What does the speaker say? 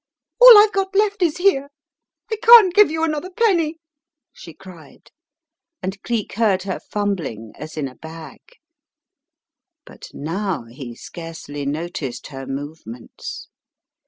"All I've got left is here. I can't give you another penny," she cried, and Cleek heard her fumbling as in a bag. But now he scarcely noticed her movements.